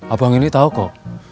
abang ini tau kok